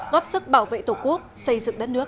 góp sức bảo vệ tổ quốc xây dựng đất nước